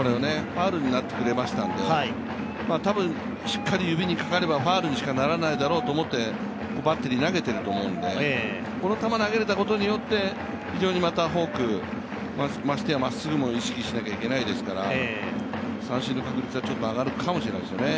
ファウルになってくれましたんで、多分、しっかり指にかければファウルにしかならないだろうとバッテリー投げていると思うので、この球投げれたことによってまたフォーク、ましてや、まっすぐも意識しなきゃいけないですから、三振の確率が上がるかもしれないですね。